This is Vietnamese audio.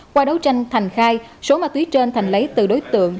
qua đấu tranh thành khai số ma túy trên thành lấy từ đối tượng